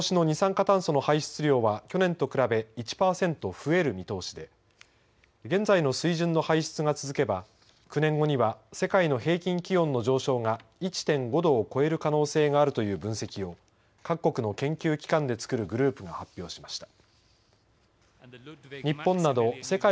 世界のことしの二酸化炭素の排出量は去年と比べ１％増える見通しで現在の水準の排出が続けば９年後には世界の平均気温の上昇が１．５度を超える可能性があるという分析を各国の研究機関で作るグループが発表しました。